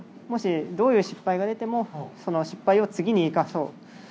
もし、どういう失敗が出てもその失敗を次に生かそう。